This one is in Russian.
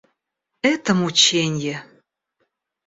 Это мученье!